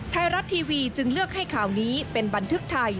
ไทยรัฐทีวีจึงเลือกให้ข่าวนี้เป็นบันทึกไทย